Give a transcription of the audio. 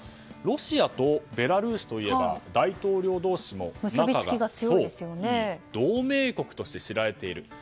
ロシアとベラルーシといえば大統領同士も仲がいい同盟国として知られている。